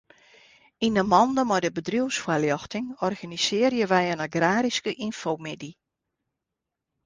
Yn 'e mande mei de bedriuwsfoarljochting organisearje wy in agraryske ynfomiddei.